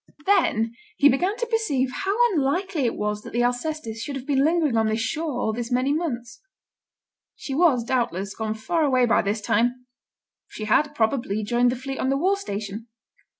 Then he began to perceive how unlikely it was that the Alcestis should have been lingering on this shore all these many months. She was, doubtless, gone far away by this time; she had, probably, joined the fleet on the war station.